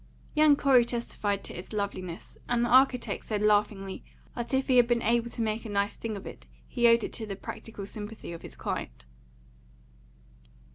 Young Corey testified to its loveliness, and the architect said laughingly that if he had been able to make a nice thing of it, he owed it to the practical sympathy of his client.